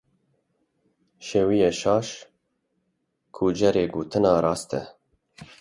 Şêweya şaş, kujerê gotina rast e.